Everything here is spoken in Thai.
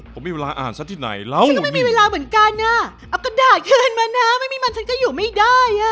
ผมมีเวลาอ่านซะที่ไหนแล้วฉันก็ไม่มีเวลาเหมือนกันอ่ะเอากระดาษคืนมานะไม่มีมันฉันก็อยู่ไม่ได้อ่ะ